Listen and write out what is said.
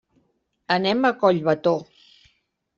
Anem a Collbató.